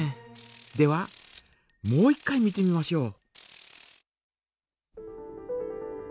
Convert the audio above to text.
ではもう一回見てみましょう。